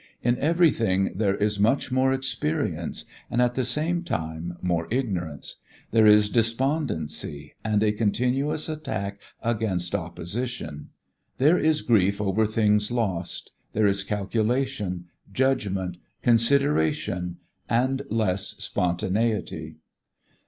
In everything there is much more experience and at the same time more ignorance; there is despondency and a continuous attack against opposition; there is grief over things lost; there is calculation, judgment, consideration and less spontaneity.